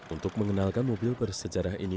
untuk mengenalkan mobil bersejarah ini